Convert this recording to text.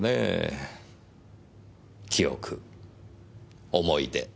記憶思い出